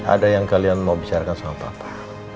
ada yang kalian mau bicarakan sama papa